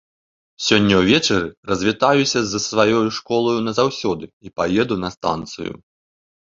Сёння ўвечары развітаюся з сваёю школаю назаўсёды і паеду на станцыю.